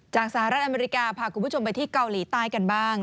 สหรัฐอเมริกาพาคุณผู้ชมไปที่เกาหลีใต้กันบ้าง